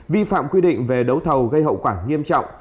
vi phạm quy định về đấu thầu gây hậu quả nghiêm trọng